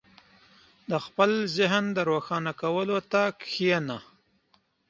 • د خپل ذهن د روښانه کولو ته کښېنه.